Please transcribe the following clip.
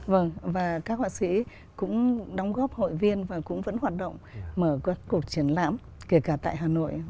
vâng và các họa sĩ cũng đóng góp hội viên và cũng vẫn hoạt động mở các cuộc triển lãm kể cả tại hà nội